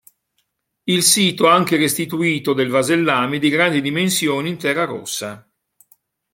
Il sito ha anche restituito del vasellame di grandi dimensioni in terra rossa.